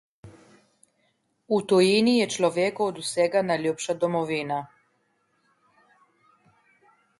V tujini je človeku od vsega najljubša domovina.